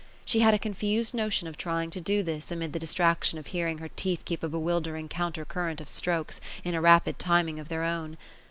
She had a confused notion of trying to do this, amid the distraction of hearing her teeth keep a bewildering counter current of strokes, in a rapid timing of their own.